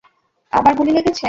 আবার গুলি লেগেছে!